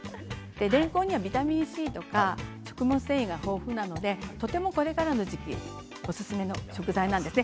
れんこんは、ビタミンＣとか食物繊維が豊富なのでこれからの時期おすすめの食材なんです。